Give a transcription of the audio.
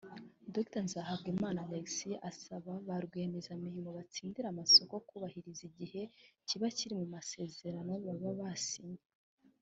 Dr Nzahabwanimana Alexis asaba ba rwiyemezamirimo batsindira amasoko kubahiriza igihe kiba kiri mu masezerano baba basinye